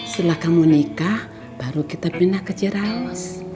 setelah kamu nikah baru kita pindah ke jeraus